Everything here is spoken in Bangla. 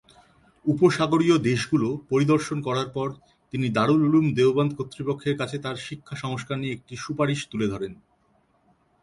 উপসাগরীয় দেশগুলো পরিদর্শন করার পর, তিনি দারুল উলুম দেওবন্দ কর্তৃপক্ষের কাছে তার শিক্ষা সংস্কার নিয়ে একটি সুপারিশ তুলে ধরেন।